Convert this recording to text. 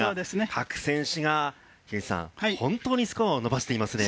各選手が本当にスコアを伸ばしていますね。